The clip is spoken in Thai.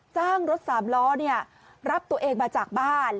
จ้างรถสามล้อรับตัวเองมาจากบ้าน